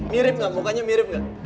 mirip gak mukanya mirip gak